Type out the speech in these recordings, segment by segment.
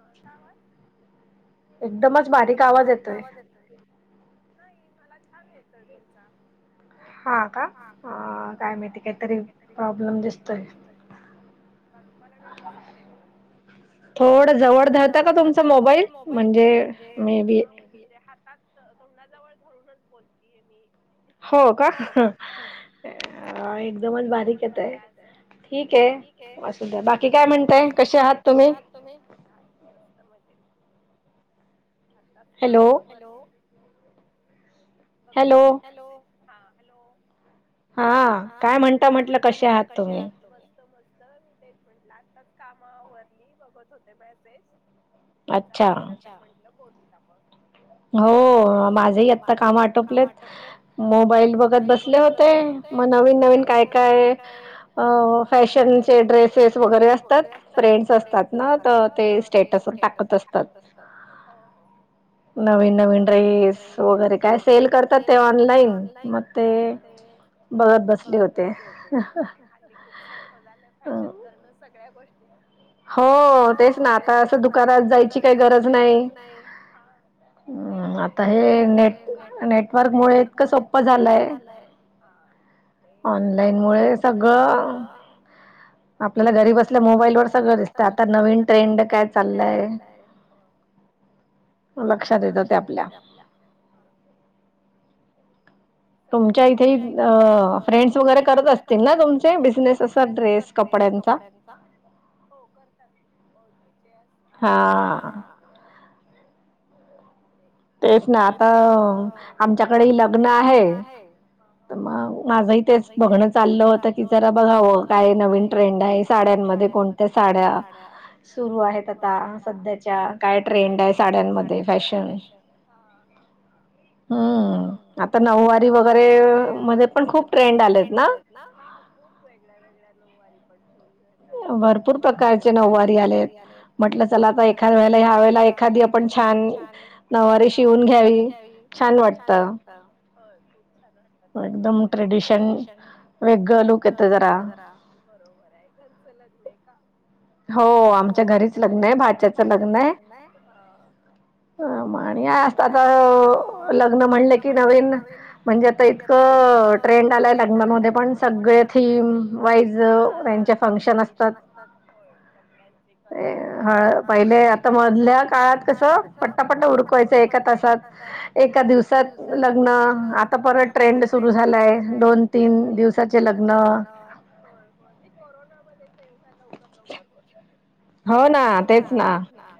आता आवाज एकदमच बारीक आवाज येतोय नाही मला छान येतोय तुमचा हा, का काय माहिती का तरी प्रॉब्लेम दिसतय कारण मला व्यवस्थित येतं थोड जवळ धरता का तुमचा मोबाईल मी हातात तोंडाजवळ धरूनच बोलतीय मी [unintelligible] ठीक आहे असुदे बाकी काय म्हणताय कसे आहात तुम्ही काय मस्त मजेत आताच काम हॅलो बघत होते हॅलो हा हॅलो हा काय म्हणता म्हटलं कसे आहात? मस्त मस्त मी तेच म्हटलं आत्ताच कामा वरली बघत होते मेसेज तुमचा दिसला तर म्हटलं बोलूत आपण. हो माझही आता काम आटोपल्या मोबाईल बघत बसल्या. ते मग नवीन नवीन काय काय अ फॅशनचे ड्रेसेस वगैरे. [unintelligible] ट्रेच असतात स्टेटस असतात. नवीन नवीन ड्रेस वगैरे काय सेल करतात ते ऑनलाईन हो बरोबरय मग ते बघत बसले होते हल्ली खूप सोप झालं फॅशन करनचं. सगळ्या गोष्टी हो तेच ना आता अस दुकानात जायची काय गरज नाही हा. ते आहे आता हे नेट नेटवर्क मुळे इतकं सोप्पं झालंय. हे ऑनलाईन मुळे सगळं. आपल्याला घरी बसता मोबाईल वर सगळं दिसत आता नवीन ट्रेंड काय चाललय. लक्षात येत ते आपल्या. सगळ्या गोष्टी तुमच्या इथे अ फ्रेंड्स वगैरे करत असतील ना तुमचे बिझनेस असा ड्रेस कपड्यांचा. [inaudible] हो करतात हो तिचीयस आहेत ते हा. [unintelligible] बर तेच ना आता वेगळ्या वेगळ्या आमच्याकडे लग्न आहे हा हम्म. म मग माझही तेच बघणं चाललं होत की जरा बघावं काय नवीन ट्रेंड आहे साड्यांमध्ये. कोणत्या साड्या. बरं सुरू आहेत आता सध्याच्या काय ट्रेंड आहे साड्यांमध्ये फॅशन. हा हा हा. हम्म आता नऊवारी वगैरे मध्ये पण खूप ट्रेंड आले. ना हा खूप वेगळ्या वेगळ्या नववारी पण. [unintelligible] भरपूर प्रकारचे नववारी आले म्हटलं चला आता एखा वेळेला ह्या वेळेला. पण छान नववारी शिवून घ्यावी होय छान वाटत खूप छान वाट [unintelligible] एकदम ट्रेडिशन वेगळं लूक येत जरा. बरोबर आहे घरचं लग्न का. हो आमच्या घरीच लग्नयं भाच्याच लग्नयं. बरोबर बरोबर आता असत लग्न म्हणलं की नवीन. म्हणजे आता इतकं ट्रेंड आलाय लग्नामध्ये पण सगळे थीम वाईज. त्यांच्या फंक्शन असतात होय कपड्या कलर तेवढचं हा पहिले आता मधल्या काळात कस पट्टा पट्टा उरकुवायचं एका तासात. एका दिवसात लग्न आता परत ट्रेंड सुरू झालाय दोन तीन. दिवसाचे लग्न होय हो ते कोरोनामध्ये ते तेवढ्या लवकर लवकर होत होते. हो ना, तेच ना.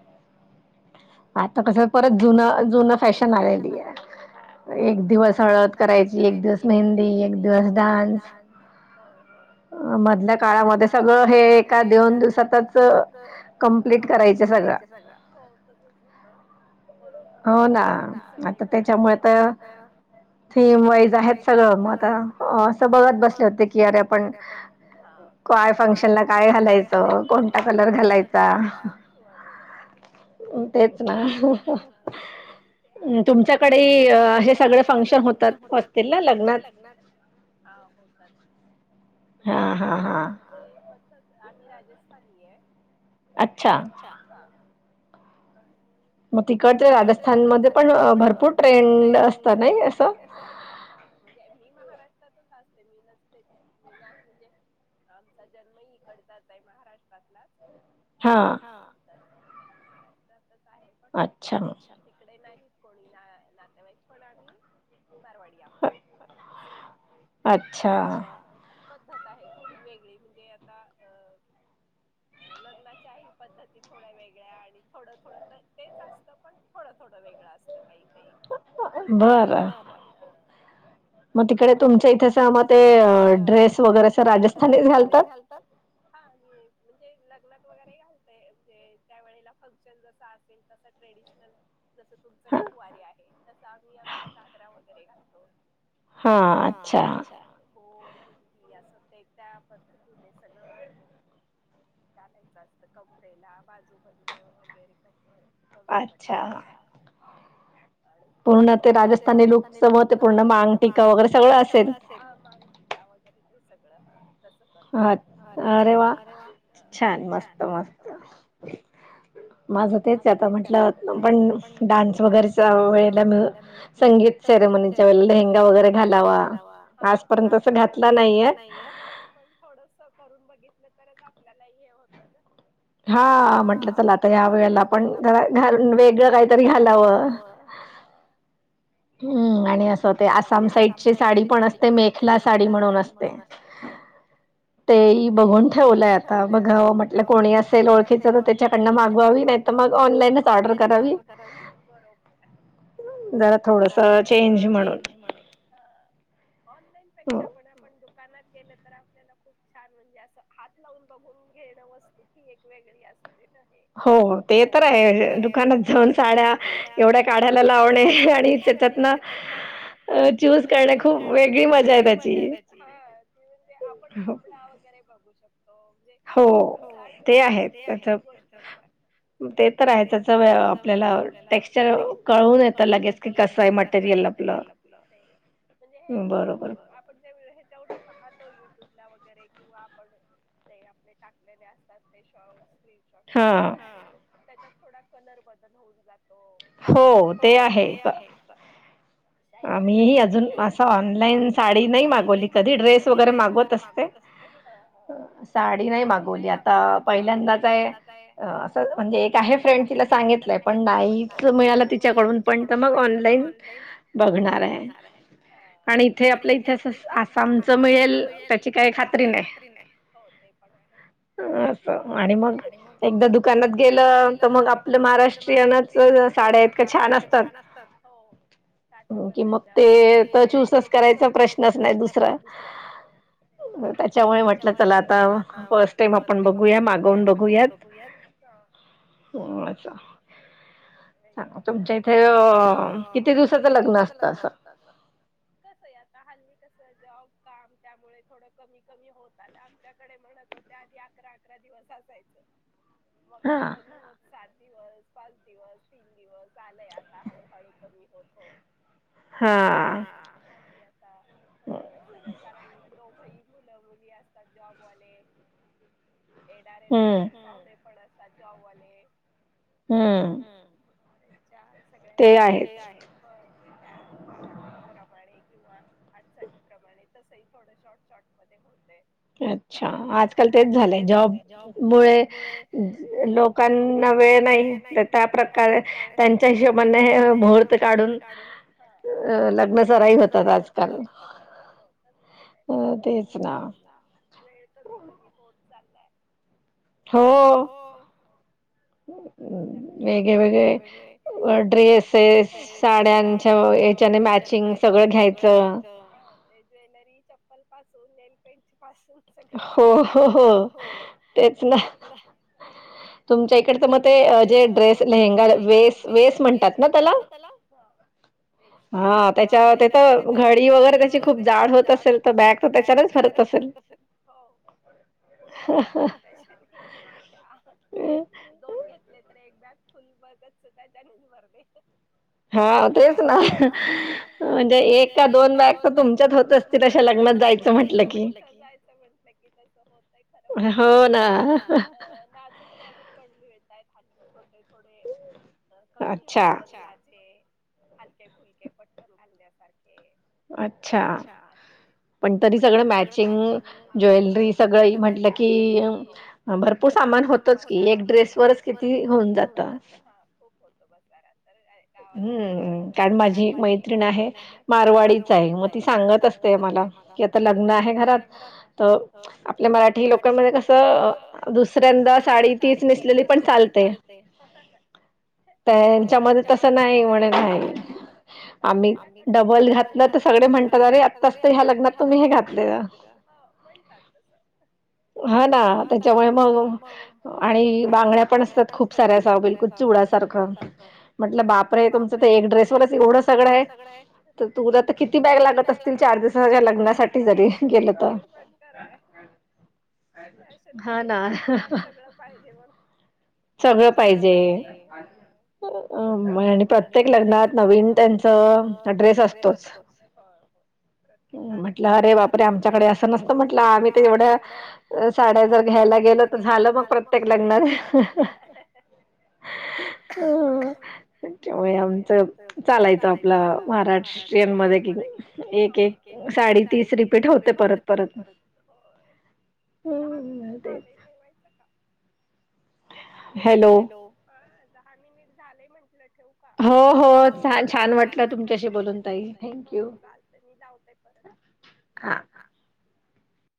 आता कस परत जुन जुनं फॅशन आलाय आहे हो एक दिवस. सळद करायची एक दिवस मेहंदी होय एक दिवस डान्स होय होय. आ मधल्या काळामध्ये सगळं हे. का दोन दिवसातच कमप्लीट करायच सगळं हो त होत. कोरोनामुळे सगळे घरी घरी होते तर हो ना आता त्यच्यामुळे तर थीम वाईज आहेत सगळं मग आता असं बघत बसले होते की अरे आपण. काय फंक्शन ला काय घालायचंर घालायचा बरोब. तेचं ना. आहे तुमच्याकडे हे सगळे फंक्शन होतात असतील लग्नात. [unintelligible] हा होतात ना म्हणजे आ आमची पद्धत. आम्ही राजस्थानी आहे अच्छा हा आणि म तिकड ते राजस्थानमध्ये पण भरपूर ट्रेंड असतात नाही असं. हा हा म्हणजे मी महाराष्ट्रातच असते मी नसते म्हणजे. आमचा जन्म ईकडचाच आहे महाराष्ट्रातला. हा. हा तर महाराष्ट्रातच आहे पण अच्छा तिकडे नाही. कोणी ना नातेवाईक पण आम्ही मारवाडी आहोत असं. अच्छा पद्धत आहे थोडी वेगळी म्हणजे आता अ अ लग्नाच्या हि पद्धती थोड्या वेगळ्या आणि थोडं थोडं तर तेच असतं पण थोडं थोडं वेगळं असतं काही काही. बरं हा. आणि मग तिकडे तुमच्या इथे असं मग ते ड्रेस वगैरे अस राजस्थानी घालतात. हा आणि म्हणजे लग्नात वगैरे घालतय म्हणजे त्यावेेळेला. फंक्शन जस असेल तस ट्रेडिशनल. जसं तुमचं नऊवारी आहे तसं आम्ही आमचा घगरा वगैरे घालतो. हा अच्छा बोरबिंदी असं ते त्या पद्धतीने सगळं. घालायचं असत कमरेला बाजू बन. अ वगैरे कंबर कंबरपट्टा अच्छा. आणि ते बो पूर्ण ते राजस्थानी लूक सव ते पूर्ण मांगटिका वगैरे सगळं अस [unintelligible] मागतिका वगैरे ते सगळं ह. तस करतात, अरे वा! छान, मस्त मस्त. हा. माझं तेच आहे आता म्हटलं पण डान्स वगैरेच्या वेळेला मग. संगीत सेरेमनीच्या वेळेला लेहंगा वगैरे घालावा आजपर्यंत अस घातला नाहीये. हो पण थोडस करून बघितलं तरच आपल्याला हे होत ना. हा हा म्हटलं चला आता या वेळेला पण घालून वेगळं काहीतरी घालावं. हा हो हो. हम्म आणि असं ते आसाम साईडची साडी पण असते मेखला साडी म्हणून असते. [inaudible] तेयी बघून ठेवलंय आता बघाव म्हटलं कोणी असेल ओळखीच तर त्याच्याकडनं माग ववी नाही तर मग ऑनलाईनच ऑर्डर करावी पण चेंज म्हणून ऑनलाईन पेक्षा पण म्हण दुकानात गेलं तर आपल्याला खूप छान म्हणजे असं हात लावून बघून घेणं वस्तू ती एक वेगळी असते. हेच आहे हो ते तर आहे दुकानात जाऊन साड्या एवढ्या काढ्या लावणे आणि त्यच्यातनं चूज करणे खूप वेगळी मजा आहे त्या ह, ती म्हणजे आपण कपडा वगैरे बघू शकतो म्हणजे. हो साडीचं असल आता कुठलीही गोष्ट बघा ते तर आहे त्यचा व्य आप आपल्या टेक्स कळून येत लगेच कि कसंय मटेरियंल आपल म्हणजे हे फोनवरून आपण जे ह्याच्याऊन पाहतो युट्यूब ला वगैरे किंवा आपण ते आपले टाकलेले असतात ते शॉटस. स्क्रीनशॉट वगैरे पण त्याच्यात थोडा कलर बदल होऊन जातो. हो. हो ते आहे. मी अजून असं ऑनलाईन साडी नाही मागवली कधी ड्रेस वगैरे मागवत अस हे ह साडी नाही मागवली आता पहिल्यांदा काय हो अस म्हणजे एक आहे फ्रेंड तिला सांगितलंय पण नाहीच मिळालं. च्या कडून पण मग ऑनलाईन बगणार आहे हा आणि इथे आपल्या इतिहासात आसामच मिळेल त्याची काही खात्री नाही हो ते पण आहे. अ अ असं, आणि मग एकदा दुकानात गेलं तर मग आपलं महाराष्ट्रीयनच. तर साड्या इतक्या छान क छान असतात, हो हो. काठा पदराच्या वगैरे. मग ते आता चूजच करायचा प्रश्नच नाही दुसरा. त्याच्यामुळे म्हटलं चला आता फर्स्ट टाइम आपण बघूया, मागवून बघूयात. हा हो आछा. तुमच्या इथं किती दिवसाच लग्न असतं असं? कसं आहे आता हल्ली कस जॉब, काम त्यामुळे थोडं कमी कमी होत आलं. आमच्याकडे म्हणत हो त्या आधी अकरा अकरा दिवस असायचं. [inaudible] बघ ते कमी होत सात दिवस पाच दिवस तीन दिवस झालय आता. आता हळू हळू कमी होत होत. हा. हल्ली आता पटपट सगळे, कारण दोघही मुलं, मुली असतात जॉबवाले. येणारे जाणारे पाहूणे पण असात जॉबवाले. मग त्यांच्या सगळ्यांच्या प्रत्येक त्या कामाप्रमाणे किंवा अडचणी प्रमाणे तसही थोडं शॉट शॉट मध्ये होतंय. अच्छा, आजकाल तेच झालंय. जॉबमुळे लोक त्यांना वेळ नाही तर त्या प्रकारे त्यांच्या हिशो म्हणणं हे मुहूर्त काढून अ लग्न सराही होतात आजकाल. हम्म तेच ना. वेळ कमी कमी होत चालंलाय, हो. वेगळे वेगळे अ ड्रेस आहेत. साड्यांच्या हेच्याने मॅचिंग सगळं घ्यायचं. ते ज्वेलरी, चप्पलपासून, नेलपेंटपासून सगळंच मॅचिंग लागतय. हो हो हो. तेच ना तुमच्या इक ते मग ते जे ड्रेस लेंहगा वेस वेस म्हणतात ना त्याला? हा वेस. हा त्याच्या त्या तर घडी वगैरे त्याची खूप जाड होत असेल, तर बॅग तर त्याच्यानचं भरत असेल. हो खूप जाड होत, त्याच्यानी त्या एक दोन घेत. नाहीतर एक बॅग फुल्ल मग गच्च त्याच्यानेच भरते. हा तेच ना म्हणजे एक का दोन बॅग तर तुमच्या होत असतील अशा लग्नात जायचं जायचं म्हंटलं की. कुठं जायचं म्हंटल की तस होतय खरं पण हल्ली आता अ नाजूक नाजूक पण मिळतायेत हल्ली छोटे थोडे कमी वजनाचे. अच्छा हालके फुलके पटकन घालण्यासारखे अच्छा, पण तरी सगळं मॅचिंग ज्वेलरी सगळं म्हंटलं की भरपूर सामान होतच की. एक ड्रेस वरच किती होऊन जात खूप होत पसारा तर काय. कारण माझी मैत्रिण आहे मारवाडीच आहे, मग ती सांगत असते मला. आता लग्न आहे घरात अ आपल्या मराठी लोकांमध्ये कसं दुसऱ्यांदा साडी तीच नेस लेली पण चालते. ते आम्हाला तसं नाही म्हणत होते. आम्ही डबल घातलं तर सगळे म्हणतात अरे आत्ताचत ह्या लग्ना तुम्ही हे घातलेल. [inaudible] हा ना जवळ मग आणि बांगड्या पण खूप साऱ्या असं [unintelligible] चुडा सारखं. म्हटलं बापरे तुमचं ते एक ड्रेसवरच एवढं सगळं आहे‌. तर तुला तर किती बॅग लागत असतील? चार दिवसांच्या लग्नासाठी तरी घेतात. [inaudible] फॅशन करायची म्हटल्यावर सगळं पाहिजे मग. सगळं पाहिजे, हा. आणि प्रत्येक लग्नात नवीन त्यांच ड्रेस असतोच. प्रत्येक कार्यक्रम, म्हटलं अरे बापरे आमच्याकडे असं नसतं म्हटलं, आम्ही तर एवढं साड्या जर घ्यायला गेलं, तर झाल मग प्रत्येक लग्नात [inaudible] त्यामुळे आमचं चालायचं आपला महाराष्ट्रीयन मध्ये कि एक एक. साडी तीच रिपीट होते परत परत. दहा मिनिटं झालंय ठेवायचं का? हॅलो, अ दहा मिनिट झालंय म्हंटलं ठेव ठेवू का? हो हो छान छान वाटलं तुमच्याशी बोलून ताई. हो चालतय मी लावते परत. हा.